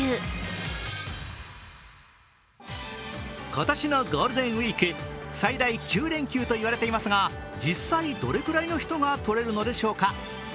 今年のゴールデンウイーク最大９連休といわれていますが実際どれくらいの人が取れるのでしょうか。